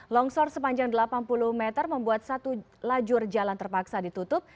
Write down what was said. longsor sepanjang delapan puluh meter membuat satu lajur jalan terpaksa ditutup